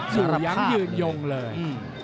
สู้อย่างยืนยงเลย